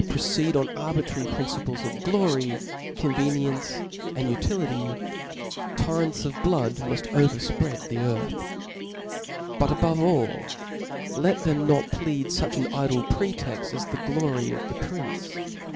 proceed on arbitrary principles of glory, convc niency, and utility; torrents of l^ood muft over fpread the earth. But above all, let them not plead fuch an idle pretext as the glory of the prince.